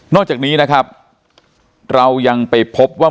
อกจากนี้นะครับเรายังไปพบว่า